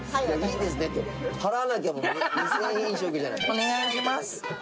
お願いします。